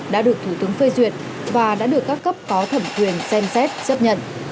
đã được thủ tướng phê duyệt và đã được các cấp có thẩm quyền xem xét chấp nhận